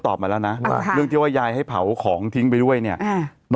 มาแล้วนะว่าเรื่องที่ว่ายายให้เผาของทิ้งไปด้วยเนี่ยอ่า